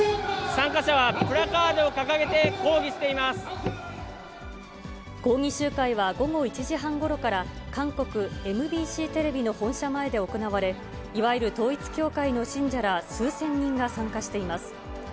参加者はプラカードを掲げて抗議抗議集会は午後１時半ごろから、韓国ＭＢＣテレビの本社前で行われ、いわゆる統一教会の信者ら数千人が参加しています。